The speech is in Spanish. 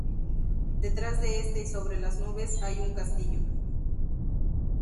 Detrás de este y sobre las nubes, hay un castillo.